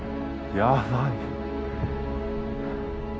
やばい！